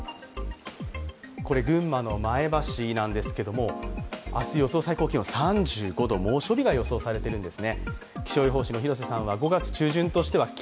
これ、群馬の前橋なんですけど、明日予想最高気温３５度、猛暑日が予想されているんです。